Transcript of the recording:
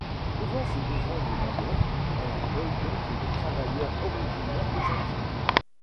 Devant ce besoin de main d'œuvre, elle accueille donc des travailleurs originaires des Antilles.